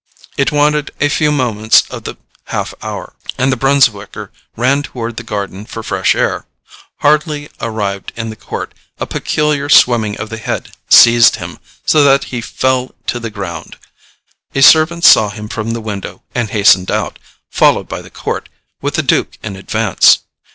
It wanted a few moments of the half hour, and the Brunswicker ran toward the garden for fresh air. Hardly arrived in the court, a peculiar swimming of the head seized him, so that he fell to the ground. A servant saw him from the window, and hastened out, followed by the court, with the duke in advance.